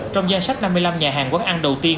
trong danh sách năm mươi năm nhà hàng quán ăn đầu tiên